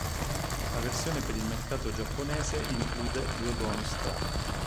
La versione per il mercato giapponese include due bonus track.